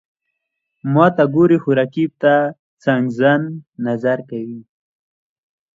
ماته ګوري، خو رقیب ته څنګزن نظر کوي.